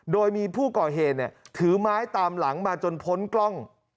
โดยมีผู้ก่อเหตุถือไม้ตามหลังมาจนพ้นกล้อง